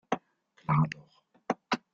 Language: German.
Klar doch.